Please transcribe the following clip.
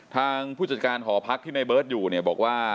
ทางผู้จัดการหอพักที่นายเบิร์ตอยู่บอกว่า